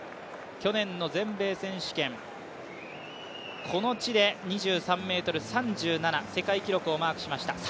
去年の全米選手権、この地で２３ｍ３７世界記録をマークしました。